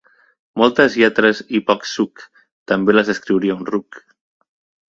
Moltes lletres i poc suc, també les escriuria un ruc.